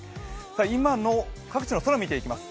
今の各地の空を見ていきます。